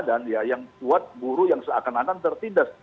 dan ya yang buat buruh yang seakan akan tertindas